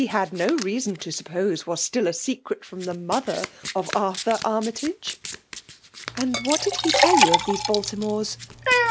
had no. reason, to suppose was still a secret from the mother of Arthur Armytage." ^'^ Atidiffanlr did he tell yoa of these Balti iriore«?"